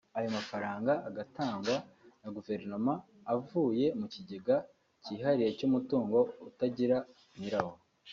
ayo mafaranga agatangwa na Guverinoma avuye mu kigega cyihariye cy’umutungo utagira nyirawo